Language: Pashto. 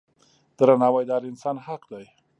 درناوی د هر انسان حق دی.